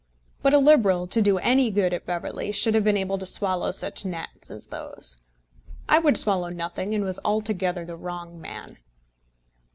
But a Liberal, to do any good at Beverley, should have been able to swallow such gnats as those. I would swallow nothing, and was altogether the wrong man.